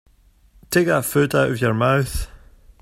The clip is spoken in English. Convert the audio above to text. Take that food out of your mouth.